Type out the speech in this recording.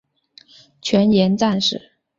全员战死。